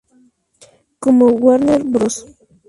Como Warner Bros.